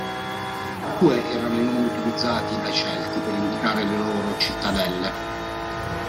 Due erano i nomi utilizzati dai Celti per indicare le loro cittadelle.